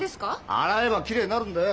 洗えばきれいになるんだよ。